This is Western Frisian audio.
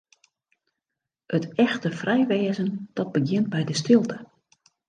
It echte frij wêzen, dat begjint by de stilte.